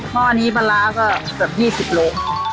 ห้อนี้ปลาร้าก็แบบ๒๐โล